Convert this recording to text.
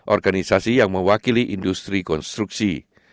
organisasi yang mewakili industri konstruksi